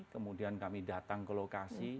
kemudian kami datang ke lokasi